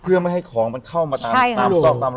เพื่อไม่ให้ของมันเข้ามาตามซอกตามรอย